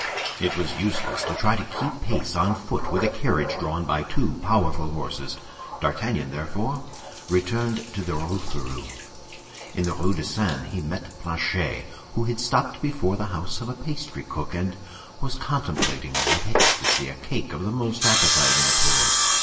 It was useless to try to keep pace on foot with a carriage drawn by two powerful horses. D'Artagnan therefore returned to the Rue Férou. In the Rue de Seine he met Planchet, who had stopped before the house of a pastry cook, and was contemplating with ecstasy a cake of the most appetizing appearance.